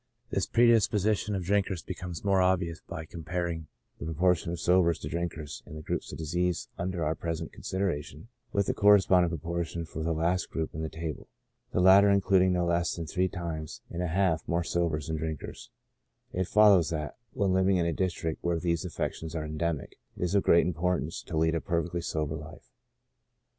This predisposition of drink ers becomes more obvious by comparing the proportion of sobers to drinkers in the groups of diseases under our present consideration with the corresponding proportion for the last group in the table, the latter including no less than three times and a half more sobers than drinkers ; it fol lows that, when living in a district where these affections are endemic, it is of great importance to lead a perfectly sober life.